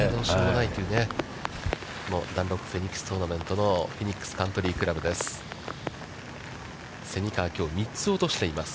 ダンロップフェニックストーナメントのフェニックスカントリークラブです。